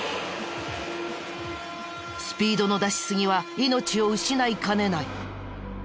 スピードの出しすぎは命を失いかねない。